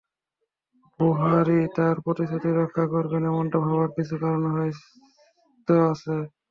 বুহারি তাঁর প্রতিশ্রুতি রক্ষা করবেন, এমনটা ভাবার কিছু কারণও হয়তো আছে।